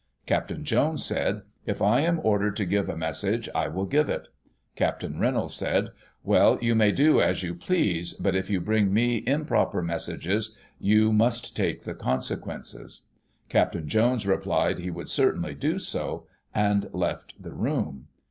Capt. Jones said :' If I am ordered to give a message, I shall give it.' Capt. Reynolds said :* Well, you may do as you please ; but if you bring me improper messages, you must take the consequences.* Capt. Jones replied, * he should certainly do so,' and left the room.